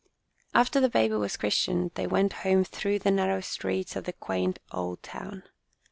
After the baby was christened, they went home through the narrow streets of the quaint old town.